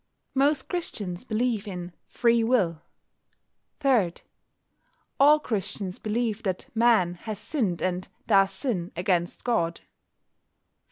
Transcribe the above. Most Christians believe in Free Will. 3. All Christians believe that Man has sinned and does sin against God.